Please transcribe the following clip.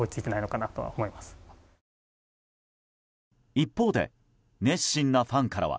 一方で熱心なファンからは。